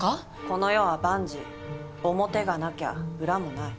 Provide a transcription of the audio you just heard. この世は万事表がなきゃ裏もない。